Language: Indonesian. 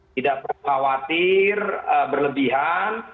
tidak khawatir berlebihan